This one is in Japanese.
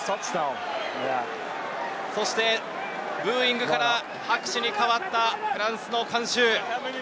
そしてブーイングから拍手に変わったフランスの観衆。